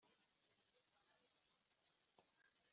sinayobya umuvu bariya bampiga bagahita?